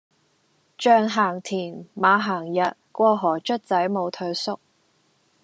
象行田,馬行日,過河卒仔無退縮